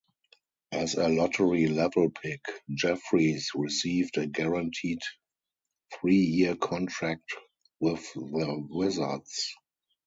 As a lottery-level pick, Jeffries received a guaranteed three-year contract with the Wizards.